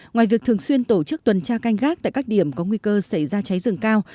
ngoài việc thường xuyên tổ chức tuần tra canh gác tại các điểm có nguy cơ xảy ra cháy rừng cao